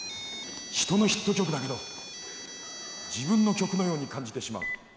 人のヒット曲だけど自分の曲のように感じてしまう。